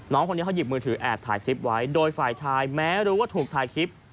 น้องคนนี้เขาหยิบมือถือแอบถ่ายคลิปไว้โดยฝ่ายชายแม้รู้ว่าถูกถ่ายคลิป